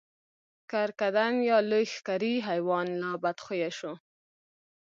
کرکدن یا لوی ښکری حیوان لا بدخویه شو.